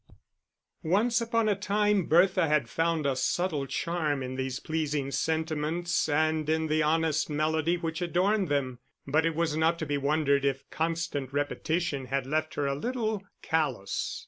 _" Once upon a time Bertha had found a subtle charm in these pleasing sentiments and in the honest melody which adorned them; but it was not to be wondered if constant repetition had left her a little callous.